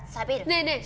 ねえねえ！